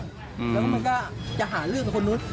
แล้วก็มันก็จะหาเรื่องกับคนนู้น